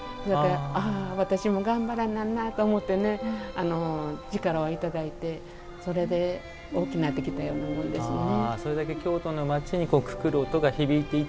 私も頑張らななって思って力をいただいてそれで、大きなってきたようなもんですね。